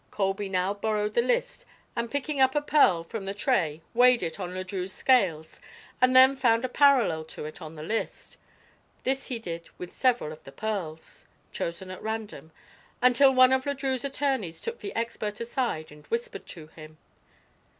Colby now borrowed the list, and picking up a pearl from the tray weighed it on Le Drieux's scales and then found a parallel to it on the list. This he did with several of the pearls, chosen at random, until one of Le Drieux's attorneys took the expert aside and whispered to him.